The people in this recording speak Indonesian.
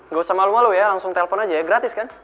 gak usah malu malu ya langsung telpon aja ya gratis kan